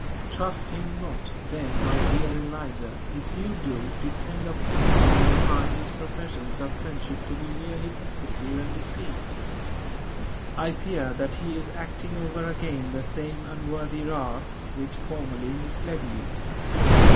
Trust him not, then, my dear Eliza; if you do, depend upon it you will find his professions of friendship to be mere hypocrisy and deceit. I fear that he is acting over again the same unworthy arts which formerly misled you.